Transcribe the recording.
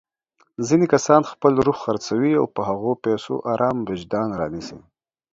ځيني کسان خپل روح خرڅوي او په هغو پيسو ارام وجدان رانيسي.